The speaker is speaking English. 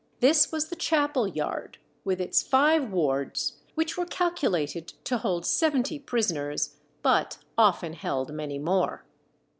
This was the chapel yard, with its five wards, which were calculated to hold seventy prisoners, but often held many more.